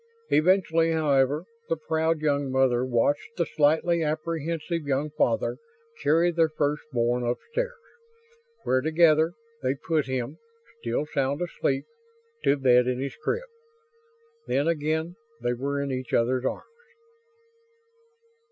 Eventually, however, the proud young mother watched the slightly apprehensive young father carry their first born upstairs; where together, they put him still sound asleep to bed in his crib. Then again they were in each other's arms.